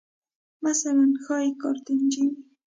مثلاً ښایي کارتیجني وې